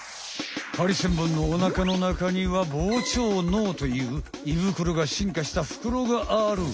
ハリセンボンのおなかのなかには膨張のうといういぶくろが進化したふくろがある。